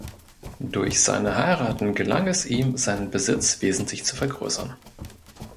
Durch seine Heiraten gelang es ihm, seinen Besitz wesentlich zu vergrößern.